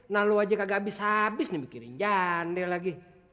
nah lo aja kagak habis habis nih mikirin jande lagi